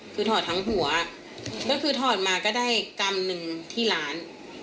คือถอดทั้งหัวก็คือถอดมาก็ได้กรัมหนึ่งที่ร้าน